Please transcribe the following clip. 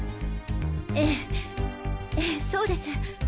ええええそうです。